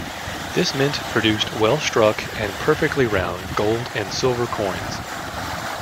This mint produced well-struck and perfectly round gold and silver coins.